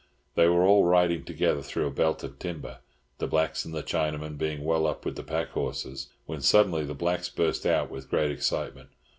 They were all riding together through a belt of timber, the blacks and the Chinaman being well up with the pack horses, when suddenly the blacks burst out with great excitement.